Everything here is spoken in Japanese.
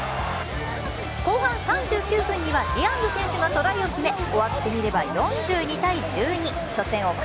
後半３９分にはリヤンヌ選手がトライを決め終わってみれば４２対１２。